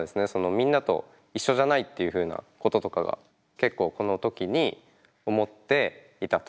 みんなと一緒じゃないっていうふうなこととかが結構この時に思っていたと。